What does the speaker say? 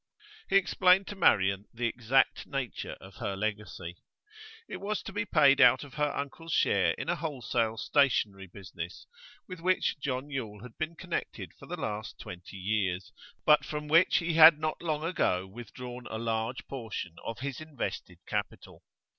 He explained to Marian the exact nature of her legacy. It was to be paid out of her uncle's share in a wholesale stationery business, with which John Yule had been connected for the last twenty years, but from which he had not long ago withdrawn a large portion of his invested capital.